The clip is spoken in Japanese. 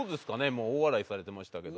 もう大笑いされてましたけど。